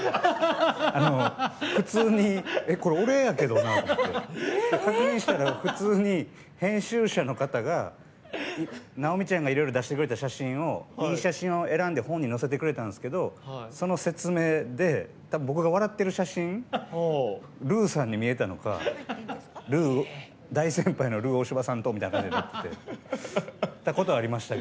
普通に、これ俺やけどなって確認したら、普通に編集者の方が直美ちゃんがいろいろ出してくれた写真をいい写真を選んで本に載せてくれたんですけどその説明で多分僕が笑ってる写真ルーさんに見えたのか大先輩のルー大柴さんとみたいなことになってたことはありました。